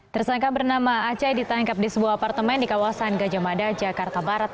tersangka bernama acai ditangkap di sebuah apartemen di kawasan gajah mada jakarta barat